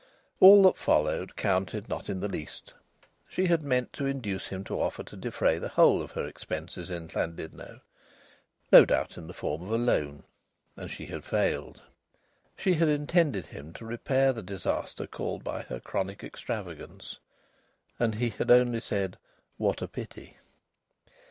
All that followed counted not in the least. She had meant to induce him to offer to defray the whole of her expenses in Llandudno no doubt in the form of a loan; and she had failed. She had intended him to repair the disaster caused by her chronic extravagance. And he had only said: "What a pity!"